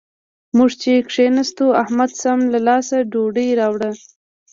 موږ چې کېناستو؛ احمد سم له لاسه ډوډۍ راوړه.